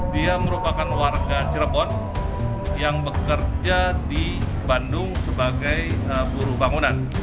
dia merupakan warga cirebon yang bekerja di bandung sebagai buru bangunan